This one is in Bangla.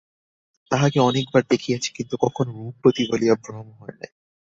তাহাকে অনেকবার দেখিয়াছি, কিন্তু কখনো রূপবতী বলিয়া ভ্রম হয় নাই।